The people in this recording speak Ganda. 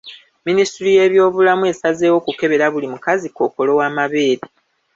Minisitule y'ebyobulamu esazeewo okukebera buli mukazi Kkookolo w'amabeere.